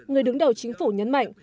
người đứng đầu chính phủ nhấn mạnh